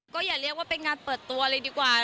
ก็อย่าเรียกว่าเป็นงานเปิดตัวเลยดีกว่า